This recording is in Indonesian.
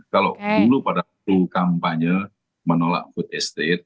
kalau dulu pada waktu kampanye menolak food estate